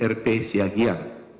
terima kasih ya